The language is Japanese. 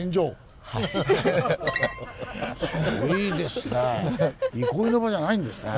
すごいですね